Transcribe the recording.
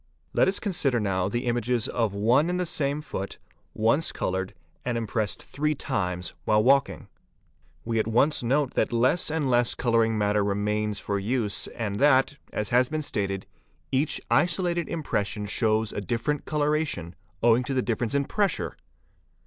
Let us consider now the images of one and the same foot once coloured and impressed three times while walking. We at once note that less and less colouring matter remains for use and that, as has been stated, each isolated impression shows a different coloration owing to the difference in pressure.